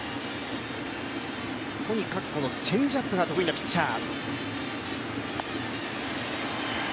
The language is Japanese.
とにかくチェンジアップが得意なピッチャー。